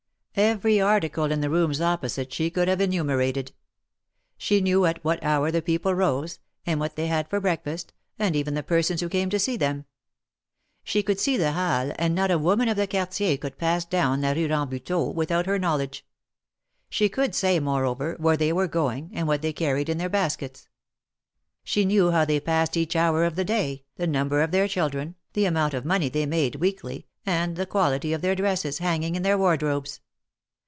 Every article in the rooms opposite she could have enumerated. She knew at what hour the people rose, and what they had for breakfast, and even the persons who came to see them. She could see the Halles, and not a woman of the Quartier could pass down la Rue Rambu teau without her knowledge; she could say, moreover, where they were going, and what they carried in their bas kets. She knew how they passed each hour o^ the day, the number of their children, the amount of money they made weekly, and the quality of their dresses hanging in their wardrobes.